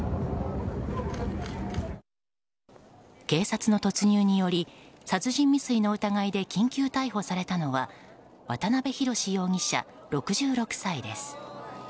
警察の突入により殺人未遂の疑いで緊急逮捕されたのは渡辺宏容疑者、６６歳です。